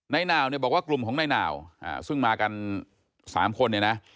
นายหนาวเนี่ยบอกว่ากลุ่มของนายหนาวซึ่งมากัน๓คนเนี่ยนะ